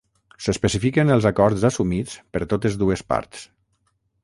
S'especifiquen els acords assumits per totes dues parts.